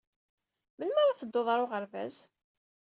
Melmi ara tedduḍ ɣer uɣerbaz?